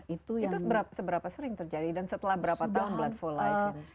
itu seberapa sering terjadi dan setelah berapa tahun blood for life